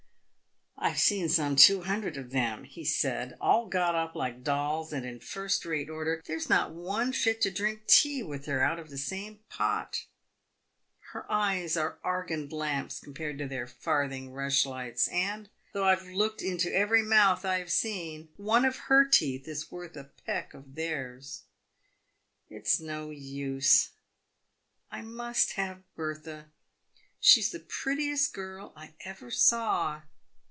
" I've seen some two hundred of them," he said, " all got up like dolls, and in first rate order. There is not one fit to drink tea with her out of the same pot. Her eyes are Argand lamps compared to their farthing rush lights, and, though I have looked into every mouth I have seen, one of her teeth is worth a peck of theirs. It is no use ! I must have Bertha, she's the prettiest girl I ever saw.